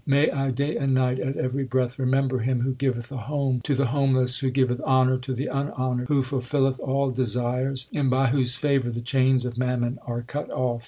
May I day and night at every breath remember Him Who giveth a home to the homeless, Who giveth honour to the unhonoured, Who fulfilleth all desires, And by whose favour the chains of mammon are cut orf